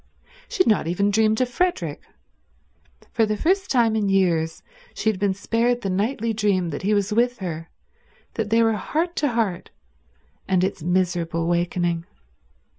She had not even dreamed of Frederick. For the first time in years she had been spared the nightly dream that he was with her, that they were heart to heart, and its miserable awakening.